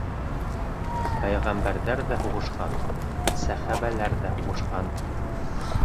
Пәйғәмбәрҙәр ҙә һуғышҡан, сәхәбәләр ҙә һуғышҡан.